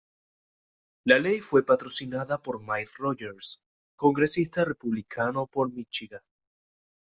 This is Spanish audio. La ley fue patrocinada por Mike Rogers, congresista republicano por Míchigan.